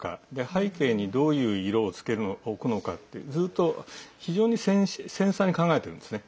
背景にどういう色を置くのかってずっと非常に繊細に考えてるんですね。